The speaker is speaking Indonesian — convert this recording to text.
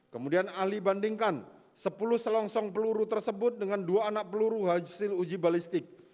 kemudian ahli bandingkan sepuluh selongsong peluru tersebut dengan dua anak peluru hasil uji balistik